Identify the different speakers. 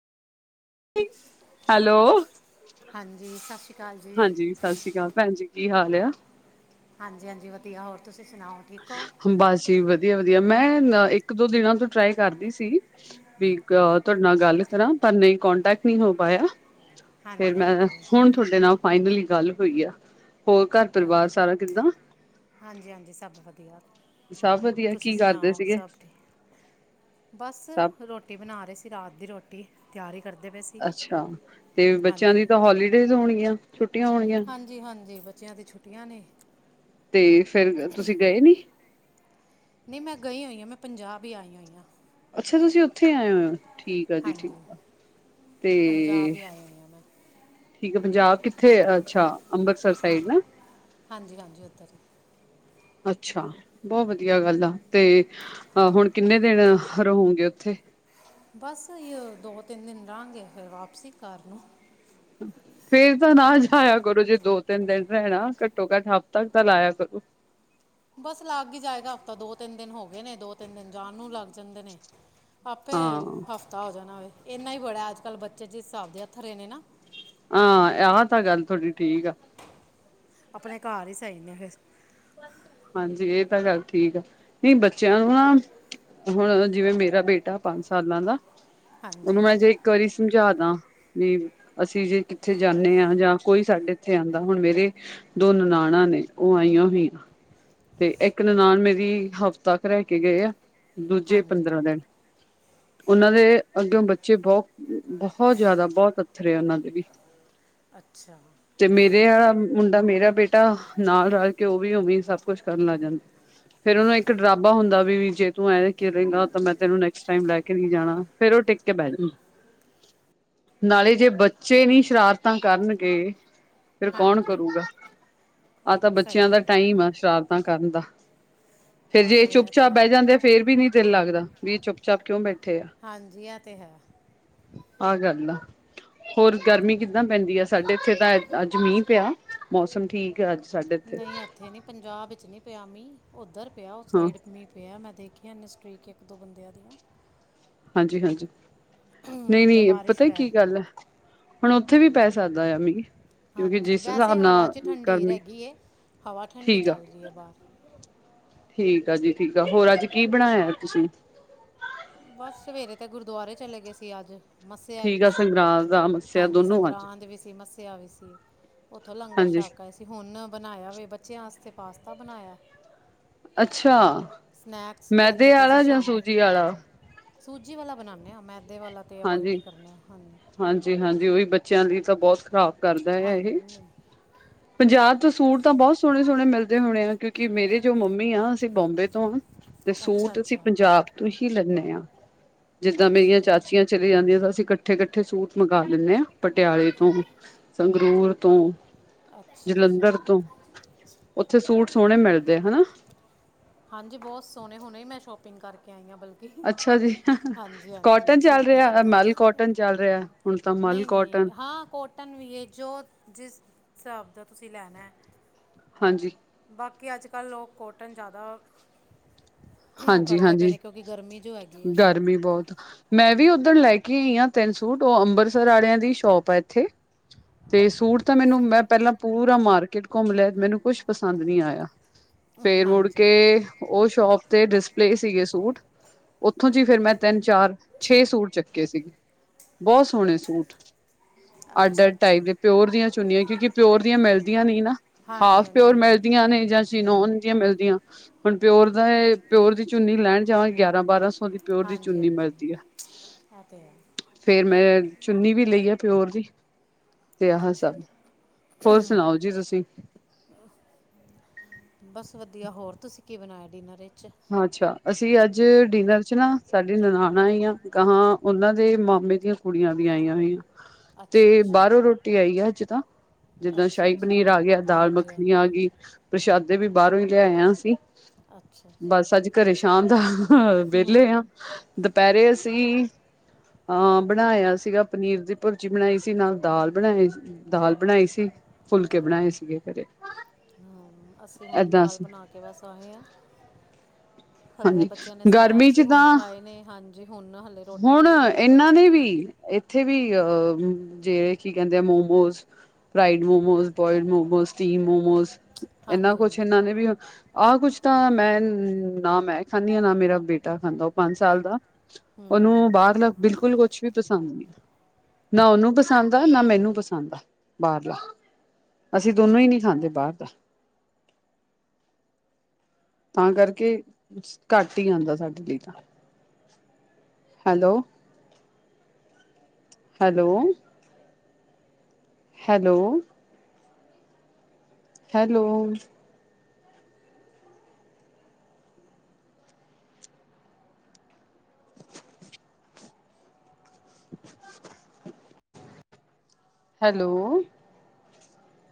Speaker 1: Hello-
Speaker 2: ਹਾਂਜੀ ਸਤਿ ਸ਼੍ਰੀ ਅਕਾਲ ਜੀ
Speaker 1: ਹਾਂਜੀ ਸਰਸੀਕਾਰ ਭੈਣ ਜੀ ਕੀ ਹਾਲ ਆ,
Speaker 2: ਹਾਂਜੀ- ਹਾਂਜੀ ਵਧੀਆ ਹੋਰ ਤੁਸੀਂ ਸੁਣਾਓ ਠੀਕ ਓ
Speaker 1: ਬਸ ਜੀ ਵਧੀਆ- ਵਧੀਆ ਮੈਂ ਇੱਕ ਦੋ ਦਿਨਾਂ ਤੋਂ ਟਰਾਈ ਕਰਦੀ ਸੀ। ਵੀ ਅ ਤੁਆਡੇ ਨਾਲ ਗੱਲ ਕਰਾਂ। ਪਰ ਨ‌ਈ ਕੋਂਟੈਕਟ ਨਈ ਹੋ ਪਾਇਆ। ਫੇਰ
Speaker 2: ਹਾਂਜੀ
Speaker 1: ਮੈਂ
Speaker 2: ਹਾਂਜੀ
Speaker 1: ਹੁਣ ਥੋਡੇ ਨਾਲ ਫਾਈਨਲੀ ਗੱਲ ਹੋਈ ਆ ਹੋਰ ਘਰ ਪਰਿਵਾਰ
Speaker 2: ਹਾਂਜੀ
Speaker 1: ਸਾਰਾ ਕਿੱਦਾਂ?
Speaker 2: ਹਾਂਜੀ ਹਾਂਜੀ ਸਭ ਵਧੀਆ।
Speaker 1: ਸਭ ਵਧੀਆ
Speaker 2: ਤੁਸੀਂ
Speaker 1: ਕੀ ਕਰਦੇ
Speaker 2: ਸੁਣਾਓ
Speaker 1: ਸੀਗੇ
Speaker 2: ਸਭ ਠੀਕ ਬਸ
Speaker 1: ਸਭ
Speaker 2: ਰੋਟੀ- ਰੋਟੀ ਬਣਾ ਰੇ ਸੀ। ਰਾਤ ਦੀ ਰੋਟੀ ਤਿਆਰੀ ਕਰਦੇ ਪਏ ਸੀ।
Speaker 1: ਅੱਛਾ ਤੇ ਬੱਚਿਆਂ
Speaker 2: ਹਾਂਜੀ
Speaker 1: ਦੀ ਤਾਂ ਹੋਲੀਡੇਜ ਹੋਣਗੀਆਂ ਛੁੱਟੀਆਂ ਹੋਣਗੀਆਂ।
Speaker 2: ਹਾਂਜੀ- ਹਾਂਜੀ ਬੱਚਿਆਂ ਦੀ ਛੁੱਟੀਆਂ ਨੇ।
Speaker 1: ਤੇ ਫੇਰ ਤੁਸੀਂ ਗਏ ਨੀ।
Speaker 2: ਨਈ ਮੈਂ ਗਈ ਓਈ ਆਂ। ਮੈਂ ਪੰਜਾਬ ਈ ਆਈ ਓਈ ਆਂ।
Speaker 1: ਅੱਛਾ ਤੁਸੀਂ ਓਥੇ ਆਏ ਓਂਏ ਓ। ਠੀਕ ਆ ਜੀ
Speaker 2: ਹਾਂਜੀ
Speaker 1: ਠੀਕ ਆ।
Speaker 2: ਪੰਜਾਬ
Speaker 1: ਤੇ-
Speaker 2: ਹੀ ਆਈ ਹੋਈ ਹਾਂ ਮੈਂ
Speaker 1: ਠੀਕ ਆ ਪੰਜਾਬ ਕਿੱਥੇ? ਅੱਛਾ ਅੰਬਰਸਰ ਸਾਈਡ
Speaker 2: ਹਾਂਜੀ
Speaker 1: ਨਾ।
Speaker 2: ਹਾਂਜੀ ਹਾਂਜੀ ਓਧਰ
Speaker 1: ਅੱਛਾ ਬੋ ਵਧੀਆ ਗੱਲ ਆ। ਤੇ ਅ ਹੁਣ ਕਿੰਨੇ ਦਿਨ ਰਹੋਂਗੇ ਓਥੇ?
Speaker 2: ਬਸ ਏਹੀ ਓ ਦੋ ਤਿੰਨ ਦਿਨ ਰਾਂਗੇ ਫੇਰ ਵਾਪਸੀ ਘਰ ਨੂੰ।
Speaker 1: ਫੇਰ ਤਾਂ ਨਾ ਜਾਇਆ ਕਰੋ ਜੇ ਦੋ ਤਿੰਨ ਦਿਨ ਰੈਣਾ। ਘੱਟੋ -ਘੱਟ ਹੱਫ਼ਤਾ ਕਾ ਤਾਂ ਲਾਇਆ ਕਰੋ।
Speaker 2: ਬਸ ਲੱਗ ਈ ਜਾਏਗਾ ਹਫ਼ਤਾ। ਦੋ ਤਿੰਨ ਦਿਨ ਹੋ ਗਏ ਨੇ ਦੋ ਤਿੰਨ ਦਿਨ ਜਾਣ ਨੂੰ ਲੱਗ ਜਾਂਦੇ ਨੇ। ਆਪੇ
Speaker 1: ਹਾਂ
Speaker 2: ਹਫ਼ਤਾ ਹੋ ਜਾਣਾ ਵੇ। ਏਨਾ ਈ ਬੜਾ ਅੱਜ ਕੱਲ੍ਹ ਬੱਚੇ ਜਿਸ ਸਾਬ ਦੇ ਅਥਰੇ ਨੇ ਨਾ
Speaker 1: ਆਂ ਆਹ ਤਾਂ ਗੱਲ ਤੁਆਡੀ ਠੀਕ ਆ।
Speaker 2: ਆਪਣੇ ਘਾਰ ਈ ਸ‌ਈ ਨੇ ਫੇਰ।
Speaker 1: ਹਾਂਜੀ ਏ ਤਾਂ ਗੱਲ ਠੀਕ ਆ। ਨਈ ਬੱਚਿਆਂ ਨੂੰ ਨਾ- ਹੁਣ ਅਗਰ ਜਿਵੇਂ ਮੇਰਾ ਬੇਟਾ ਪੰਜ ਸਾਲਾਂ ਦਾ। ਓਨੂੰ
Speaker 2: ਹਾਂਜੀ
Speaker 1: ਮੈਂ ਜੇ- ਵਾਰੀ ਸਮਝਾਦਾਂ ਵੀ ਅਸੀਂ ਜੇ ਕਿੱਥੇ ਜਾਂਨੇ ਆਂ, ਜਾਂ ਕੋਈ ਸਾਡੇ ਇੱਥੇ ਆਂਦਾ। ਹੁਣ ਮੇਰੇ- ਦੋ ਨਨਾਣਾਂ ਨੇ ਉਹ ਆਈਆਂ ਹੋਈਂ। ਤੇ, ਏਕ ਨਣਾਨ ਮੇਰੀ ਹਫ਼ਤਾ ਕ ਰਹਿ ਕੇ ਗਏ ਆ, ਦੂਜੇ ਪੰਦਰਾਂ
Speaker 2: ਹਾਂਜੀ
Speaker 1: ਦੇਣ। ਉਹਨਾਂ ਦੇ, ਅੱਗਿਓ ਬੱਚੇ ਬੋਹ ਬੋਹੋਤ ਜ਼ਿਆਦਾ ਬੋਹਤ ਅਥਰੇ ਆ ਉਹਨਾਂ ਦੇ ਵੀ।
Speaker 2: ਅੱਛਾ
Speaker 1: ਤੇ ਮੇਰੇ ਆਲਾ ਮੁੰਡਾ ਮੇਰਾ ਬੇਟਾ ਨਾਲ ਰਲ ਕੇ ਉਹ ਵੀ ਉਵੇਂ ਹਿ ਸਭ ਕੁਛ ਕਰਨ ਲੱਗ ਜਾਂਦਾ। ਫੇਰ ਉਹਨੂੰ ਇੱਕ ਡਰਾਬਾ ਹੁੰਦਾ ਵੀ ਜੇ ਤੂੰ ਐ ਕਰੇਗਾ ਤਾਂ ਮੈਂ ਤੈਨੂੰ ਨੈਕਸ ਟਾਈਮ ਲੈ ਕੇ ਨਹੀਂ ਜਾਣਾ ਫੇਰ ਉਹ ਟਿੱਕ ਕੇ ਬੈ ਜਾਂ ਨਾਲੇ ਜੇ ਬੱਚੇ ਨੀ ਸ਼ਰਾਰਤਾਂ ਕਰਨਗੇ ਫਿਰ ਕੌਣ
Speaker 2: ਹਾਂਜੀ
Speaker 1: ਕਰੂਗਾ
Speaker 2: ਹਾਂਜੀ
Speaker 1: ਆਹ ਤਾਂ
Speaker 2: ਸਹੀ
Speaker 1: ਬੱਚਿਆਂ ਦਾ
Speaker 2: ਗੱਲ
Speaker 1: ਟਾਈਮ ਆ ਸ਼ਰਾਰਤਾਂ ਕਰਨ ਦਾ ਫੇਰ
Speaker 2: ਆ
Speaker 1: ਜੇ
Speaker 2: ਤੇ ਹੈ ਇਹ ਤੇ
Speaker 1: ਚੁੱਪ-ਚਾਪ
Speaker 2: ਹੈ
Speaker 1: ਬਹਿ ਜਾਂਦੇ ਆ! ਫੇਰ ਵੀ, ਨੀ ਦਿਲ ਲੱਗਦਾ ਵੀ ਇਹ ਚੁੱਪ-ਚਾਪ ਕਿਉ ਬੈਠੇ ਆ?
Speaker 2: ਹਾਂਜੀ ਆ ਤੇ ਹੈ।
Speaker 1: ਆ ਗਿਆ ਅੱਲਾ ਹੋਰ ਗਰਮੀ ਕਿੱਦਾਂ ਪੈਂਦੀ ਹੈ। ਸਾਡੇ ਇੱਥੇ ਤਾਂ ਅੱਜ ਮੀਂਹ ਪਿਆ ਮੌਸਮ ਠੀਕ! ਅੱਜ ਸਾਡੇ ਇੱਥੇ
Speaker 2: ਉੱਥੇ ਨੀ ਪੰਜਾਬ ਵਿੱਚ ਨਹੀ ਪਿਆ ਮੀਹ ਉੱਧਰ ਪਿਆ ਉਸ
Speaker 1: ਹਾਂ
Speaker 2: ਸਾਈਡ ਮੀਂਹ ਪਿਆ ਮੈਂ ਦੇਖਿਆ ਇੰਨੇ ਸਟਰੀਕ ਇੱਕ ਦੋ ਬੰਦਿਆਂ ਦੀਆਂ
Speaker 1: ਹਾਂਜੀ-ਹਾਂਜੀ
Speaker 2: ਉਧਰ
Speaker 1: ਨਹੀਂ-ਨਹੀਂ
Speaker 2: ਬਾਰਿਸ਼
Speaker 1: ਪਤਾ ਹੀ
Speaker 2: ਪੈ
Speaker 1: ਕੀ
Speaker 2: ਰਹੀ
Speaker 1: ਗੱਲ ਏ ਹੁਣ ਉੱਥੇ ਵੀ ਪੈ ਸਕਦਾ ਆ ਮੀਂਹ ਕਿਉਂਕਿ
Speaker 2: ਹਾਂਜੀ,
Speaker 1: ਜਿਸ
Speaker 2: ਵੈਸੇ
Speaker 1: ਹਿਸਾਬ
Speaker 2: ਹਵਾ
Speaker 1: ਨਾਲ
Speaker 2: ਚ ਠੰਡੀਰ
Speaker 1: ਗਰਮੀ
Speaker 2: ਹੈਗੀ ਏ, ਹਵਾ ਠੰਡੀ
Speaker 1: ਠੀਕ ਆ।
Speaker 2: ਚੱਲ ਰੀ ਐ ਬਾਰ।
Speaker 1: ਠੀਕ ਆ ਜੀ ਠੀਕ ਆ ਹੋਰ ਅੱਜ ਕੀ ਬਣਾਇਆ ਤੁਸੀਂ।
Speaker 2: ਬਸ ਸਵੇਰੇ ਤੇ ਗੁਰਦੁਆਰੇ ਚਲੇ ਗਏ ਸੀ ਆੱਜ। ਮੱਸਿਆ
Speaker 1: ਠੀਕ
Speaker 2: ਹੈਗੀ
Speaker 1: ਆ
Speaker 2: ਸੀ,
Speaker 1: ਸੰਗਰਾਂਦ ਦਾ ਮੱਸਿਆ
Speaker 2: ਹਾਂਜੀ
Speaker 1: ਦੋਨੋਂ ਅੱਜ
Speaker 2: ਸੰਗਰਾਂਦ ਵੀ ਸੀ ਮ ਸਿਆ ਵੀ ਸੀ, ਓੱਥੋਂ ਲੰਗਰ
Speaker 1: ਹਾਂਜੀ
Speaker 2: ਛਾਕ ਆਏ ਤੇ ਹੁਣ ਬਣਾਇਆ ਵੇ ਬੱਚਿਆਂ ਆਸਤੇ ਪਾਸਤਾ ਬਣਾਇਆ।
Speaker 1: ਅੱਛਾ
Speaker 2: ਸਨੈਕਸ
Speaker 1: ਮੈਦੇ
Speaker 2: ਕੈਂਦੇ ਪਏ ਸੀ
Speaker 1: ਆਲਾ ਜਾਂ
Speaker 2: ਸ਼ਾਮੀ।
Speaker 1: ਸੂਜੀ ਆਲਾ
Speaker 2: ਸੂਜੀ ਵਾਲਾ ਬਨਾਨੇ ਆ ਮੈਦੇ ਵਾਲਾ ਤੇ ਅਵੋਇਡ ਹੀ ਕਰਨੇ ਹਾਂ ਹਾਂਜੀ
Speaker 1: ਹਾਂਜੀ-ਹਾਂਜੀ-ਹਾਂਜੀ ਉਓਹੀ ਬੱਚਿਆਂ ਲਈ ਤਾਂ ਬੋਤ ਖ਼ਰਾਬ ਕਰਦਾ ਐ ਏਹ।
Speaker 2: ਹਾਂਜੀ ਨਹੀਂ
Speaker 1: ਪੰਜਾਬ ਤੋਂ ਸੂਟ ਤਾਂ ਬੋਤ ਸੋਨੇ-ਸੋਨੇ ਮਿਲਦੇ ਹੋਨੇ ਆ ਕਿਓਂ ਕਿ ਮੇਰੇ ਜੋ ਮੰਮੀ ਆ ਅਸੀਂ ਬੋਂਬੇ ਤੋਂ ਆ ਤੇ
Speaker 2: ਅੱਛਾ
Speaker 1: ਸੂਟ ਅਸੀਂ
Speaker 2: ਅੱਛਾ
Speaker 1: ਪੰਜਾਬ ਤੋਂ ਹੀ ਲੈਣੇ ਆ ਜਿਦਾ ਮੇਰੀਆਂ
Speaker 2: ਅੱਛਾ
Speaker 1: ਚਾ ਚਲੇ ਜਾਂਦੀ ਆਂ ਤਾਂ ਅਸੀਂ ਕੱਠੇ-ਕੱਠੇ ਸੂਟ ਮੰਗਾ ਲੈਨੇ ਆ ਪਟਿਆਲੇ ਤੋਂ ਸੰਗਰੂਰ ਤੋਂ
Speaker 2: ਅੱਛਾ ਅੱਛਾ
Speaker 1: ਜਲੰਧਰ ਤੋਂ ਓੱਥੇ ਸੂਟ ਸੋਨੇ ਮਿਲਦੇ ਆ ਹੈਨਾ।
Speaker 2: ਹਾਂਜੀ ਬੋਤ ਸੋਣੇ ਹੁਣੇ ਮੈਂ ਸ਼ੋਪਿੰਗ ਕਰਕੇ ਆਈ ਆ ਬਲ ਕਿ
Speaker 1: ਅੱਛਾ ਜੀ।
Speaker 2: ਹਾਂਜੀ-ਹਾਂਜੀ
Speaker 1: ਕੋਟਨ ਚੱਲ
Speaker 2: ਸੂਟ ਈ।
Speaker 1: ਰਿਹਾ ਮਲ ਕੋਟਨ ਚੱਲ ਰਿਹਾ ਹੁਣ ਤਾਂ ਮਲ
Speaker 2: ਨਈ-ਨਈ
Speaker 1: ਕੋਟਨ
Speaker 2: ਹਾਂ ਕੋਟ ਨ ਵੀ ਏ ਜੋ ਜਿਸ ਹਿਸਾਬ ਦਾ ਤੁਸੀਂ ਲੈਨਾ
Speaker 1: ਹਾਂਜੀ।
Speaker 2: ਬਾਕੀ ਆੱਜ-ਕੱਲ ਲੋਕ ਕੋਟਨ ਜੈਦਾ ਕਰਦੇ ਪਏ ਨੇ ਕਿਉਂਕਿ ਗਰਮੀ ਜੋ ਹੈਗੀ ਏ।
Speaker 1: ਵੀ ਬੋਤ ਮੈਂ ਵੀ ਓਧਨ ਲੈ ਕੇ ਆਈ ਆ ਤਿੰਨ ਸੂਟ ਓ ਅੰਬਰਸਰ ਵਾਲਿਆਂ ਦੀ ਸ਼ੋਪ ਆ ਇੱਥੇ। ਤੇ ਸੂਟ ਤਾਂ ਮੈਨੂੰ ਮੈਂ ਪੈਲਾਂ ਪੂਰਾ ਮਾਰਕੀਟ ਘੁੰਮ ਲਿਆ ਮੈਨੂੰ ਕੁਛ ਪਸੰਦ ਨੀ ਆਇਆ ਫੇਰ ਮੁੜ
Speaker 2: ਹਾਂਜੀ
Speaker 1: ਕੇ ਓ ਸ਼ੋਪ ਤੇ ਡਿਸਪਲੇ ਸੀਗੇ ਸੂਟ ਓੱਥੋਂ ਜੀ ਫੇਰ ਮੈਂ ਤਿੰਨ, ਚਾਰ, ਛੇ ਸੂਟ ਚੱਕੇ ਸੀਗੇ। ਬੋਤ ਸੋਨੇ ਸੂਟ
Speaker 2: ਅੱਛਾ
Speaker 1: ਅੱਡ-ਅੱਡ
Speaker 2: ਅੱਛਾ
Speaker 1: ਟਾਈਪ ਦੇ ਪਿਉਰ ਦੀਆਂ ਚੁੰਨੀਆਂ ਕਿਉਂਕਿ ਪਿਓਰ ਦੀਆਂ ਮਿਲਦੀਆਂ ਨਈ ਨਾ।
Speaker 2: ਹਾਂਜੀ
Speaker 1: ਹਾਫ
Speaker 2: ਹਾਂਜੀ
Speaker 1: ਪਿਓਰ ਮਿਲਦੀਆਂ ਨੇ ਯਾਂ ਚਿਨੋਨ ਦੀਆਂ ਮਿਲਦੀਆਂ ਹੁਣ ਪਿਓਰ ਦਾ ਏ ਪਿਓਰ ਦੀ ਚੁੰਨੀ ਲੈਣ ਜਾਵਾਂ ਗਿਆਰਾਂ ਬਾਰਾਂ ਸੌ ਦੀ ਪਿਓਰ ਦੀ ਚੁੰਨੀ ਮਿਲਦੀ ਐ।
Speaker 2: ਐ ਤੇ ਐ।
Speaker 1: ਫੇਰ ਮੈਂ ਚੁੰਨੀ ਵੀ ਲਈ ਆ ਪਿਓਰ ਦੀ। ਤੇ ਐਹਾ ਸਾਲ
Speaker 2: ਅੱਛਾ
Speaker 1: ਹੋਰ ਸੁਣਾਓ ਜੀ ਤੁਸੀਂ?
Speaker 2: ਬਸ ਵਦੀਆ, ਹੋਰ ਤੁਸੀਂ ਕੀ ਬਣਾਇਆ ਡਿਨਰ ਇਚ?
Speaker 1: ਅੱਛਾ, ਅਸੀਂ ਆੱਜ ਡਿਨਰ ਚ ਨਾ ਸਾਡੀ ਨਨਾਣ ਆਈ ਆ ਗਾਹਾਂ ਓਨਾਂ ਦੇ ਮਾਮੇ ਦੀਆਂ ਕੁੜੀਆਂ ਵੀ ਆਈਆਂ ਹੋਈਆਂ ਤੇ
Speaker 2: ਅੱਛਾ ਅੱਛਾ
Speaker 1: ਬਾਰੋਂ ਰੋਟੀ ਆਈ ਆ ਆੱਜ ਤਾਂ। ਜਿੱਦਾਂ
Speaker 2: ਅੱਛਾ
Speaker 1: ਸ਼ਾਹੀ
Speaker 2: ਅੱਛਾ
Speaker 1: ਪਨੀਰ ਆ ਗਿਆ, ਦਾਲ
Speaker 2: ਹਾਂਜੀ
Speaker 1: ਮੱਖਣੀ
Speaker 2: ਹਾਂਜੀ
Speaker 1: ਆਗੀ, ਪ੍ਰਸ਼ਾਦੇ ਵੀ ਬਾਰੋਂ ਈ ਲਿਆਏਆ ਅਸੀਂ।
Speaker 2: ਅੱਛਾ ਅੱਛਾ
Speaker 1: ਬਸ ਆੱਜ ਘਰੇ ਸ਼ਾਮ ਦਾ ਵੇਲੇ ਆ ਦੁਪੈਰੇ ਅਸੀਂ ਆ ਬਣਾਇਆ ਸੀਗਾ ਪਨੀਰ ਦੀ ਭੁਰਜੀ ਬਣਾਈ ਸੀ ਨਾਲ ਦਾਲ ਬਣਾਏ ਦਾਲ ਬਣਾਈ ਸੀ, ਫੁਲਕੇ ਬਣਾਏ ਸੀਗੇ ਘਰੇ।
Speaker 2: ਹੂੰ, ਅਸੀਂ ਹੁਣ
Speaker 1: ਏਦਾਂ
Speaker 2: ਦਾਲ
Speaker 1: ਸੀ
Speaker 2: ਬਣਾ ਕੇ ਬਸ ਆਏ ਆ। ਹਲੇ ਐ
Speaker 1: ਹਾਂਜੀ
Speaker 2: ਬੱਚਿਆਂ ਨੇ
Speaker 1: ਗਰਮੀ
Speaker 2: ਸਨੈਕਸ ਈ
Speaker 1: ਚ
Speaker 2: ਹੁਣ
Speaker 1: ਤਾਂ
Speaker 2: ਖਾਏ ਨੇ ਹਾਂਜੀ ਹੁਣ ਹ
Speaker 1: ਹੁਣ ਇਹਨਾਂ ਦੇ ਵੀ। ਇੱਥੇ ਵੀ ਅ ਜਿਹੜੇ ਕੀ ਕਹਿੰਦੇ ਆ momos. Fried momos, boil momos, steam momos, ਇਨਾ
Speaker 2: ਹਾਂਜੀ
Speaker 1: ਕੁਛ
Speaker 2: ਹਾਂਜੀ
Speaker 1: ਇਹਨਾਂ ਨੇ ਵੀ। ਆਹ ਕੁਛ ਤਾਂ ਮੈਂ ਨਾ ਮੈਂ ਖਾਂਦੀ ਹਾਂ, ਨਾ ਮੇਰਾ ਬੇਟਾ ਖਾਂਦਾ ਉਹ ਪੰਜ ਸਾਲ ਦਾ। ਪਰ ਉਹਨੂੰ ਬਾਹਰਲਾ ਬਿਲਕੁਲ ਕੁਛ ਵੀ ਪਸੰਦ ਨਹੀਂ ਆ। ਨਾ ਉਹਨੂੰ ਪਸੰਦ ਆ, ਨਾ ਮੈਨੂੰ ਪਸੰਦ ਆ ਬਾਹਰਲਾ। ਅਸੀਂ ਦੋਨੋਂ ਹੀ ਨਹੀਂ ਖਾਂਦੇ ਬਾਹਰ ਦਾ। ਤਾਂ ਕਰਕੇ ਘੱਟ ਹੀ ਆਉਂਦਾ, ਸਾਡੇ ਲਈ ਤਾਂ। Hello. Hello. Hello hello. Hello.